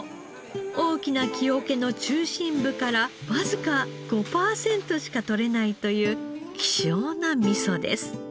大きな木桶の中心部からわずか５パーセントしかとれないという希少な味噌です。